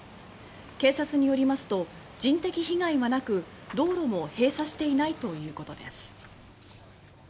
警察によりますと人的被害はなく道路も閉鎖していないということです。